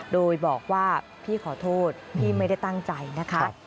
โดยบอกว่าพี่ขอโทษพี่ไม่ได้ตั้งใจนะคะ